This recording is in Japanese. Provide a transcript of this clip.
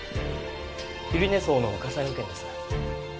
百合根荘の火災保険です。